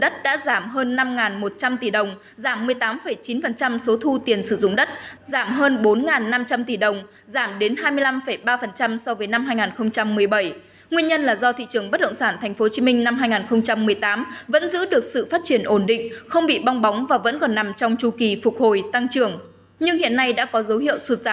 trong đó số thu tiền sử dụng đất là hơn một mươi ba tám trăm linh tỷ đồng chiếm thị trọng chín ba mươi hai tổng thu ngân sách